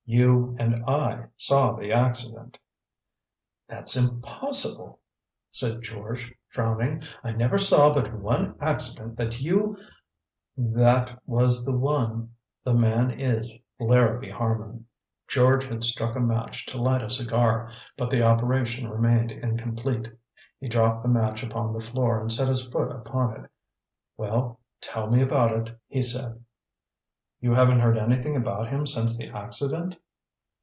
You and I saw the accident." "That's impossible," said George, frowning. "I never saw but one accident that you " "That was the one: the man is Larrabee Harman." George had struck a match to light a cigar; but the operation remained incomplete: he dropped the match upon the floor and set his foot upon it. "Well, tell me about it," he said. "You haven't heard anything about him since the accident?"